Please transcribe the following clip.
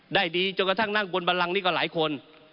ได้ดีจนกระทั่งนั่งบนบันลังนี่ก็หลายคน